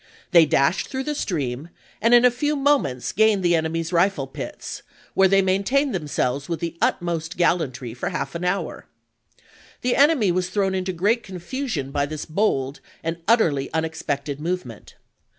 They dashed through the stream, and in a few moments gained the enemy's rifle pits, where they maintained them selves with the utmost gallantry for half an hour. The enemy was thrown into great confusion by this bold and utterly unexpected movement.